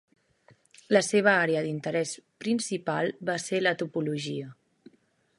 La seva àrea d'interès principal va ser la topologia.